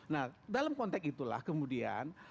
nah dalam konteks itulah kemudian